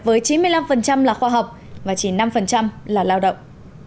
với chín mươi năm là khoa học và chỉ năm là lao động